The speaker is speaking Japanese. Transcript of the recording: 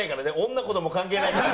女子供関係ないから。